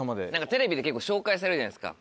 テレビで結構紹介されるじゃないですか。